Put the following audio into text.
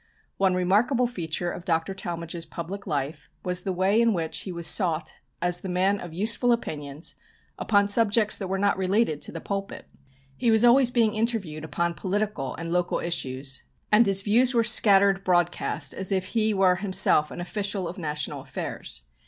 One remarkable feature of Dr. Talmage's public life was the way in which he was sought as the man of useful opinions upon subjects that were not related to the pulpit. He was always being interviewed upon political and local issues, and his views were scattered broadcast, as if he were himself an official of national affairs.